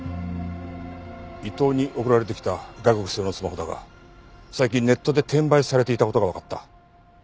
伊藤に送られてきた外国製のスマホだが最近ネットで転売されていた事がわかった。